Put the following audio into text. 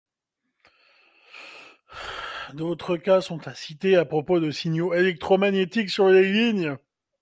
D'autres cas sont à citer à propos de signaux électromagnétiques sur des lignes.